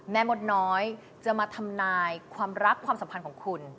แม่มดน้อยจะมาทำนายความรักความสัมพันธ์ของคุณ